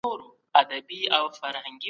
دا يې د شهرت لامل دی